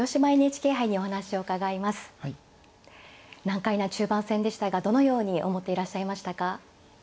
難解な中盤戦でしたがどのように思っていらっしゃいましたか。